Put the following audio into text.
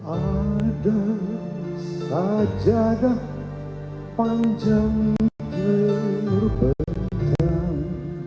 ada sajarah panjang terbetam